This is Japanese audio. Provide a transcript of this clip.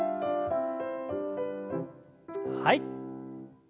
はい。